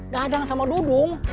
dadang sama dudung